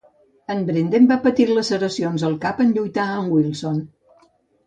En Brenden va patir laceracions al cap en lluitar amb Wilson.